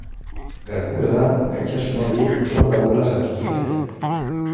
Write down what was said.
Gakoa da gaitasun hori hor dagoela jakitea.